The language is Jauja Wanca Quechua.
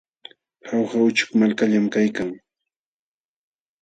Jauja uchuk malkallam kaykan.